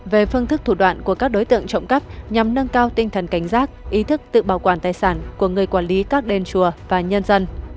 về phương thức thủ đoạn của các đối tượng trộm cắp nhằm nâng cao tinh thần cảnh giác ý thức tự bảo quản tài sản của người quản lý các đền chùa và nhân dân